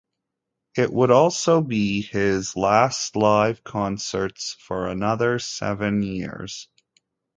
It would also be his last live concerts for another seven years.